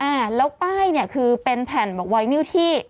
อ่าแล้วป้ายเนี่ยคือเป็นแผ่นแบบไวนิวที่